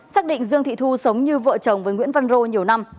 xác định dương thị thu sống như vợ chồng với nguyễn văn rô nhiều năm